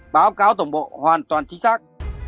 báo cáo tổng bộ hoàn toàn chính xác